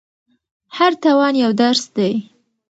هر تاوان یو درس دی.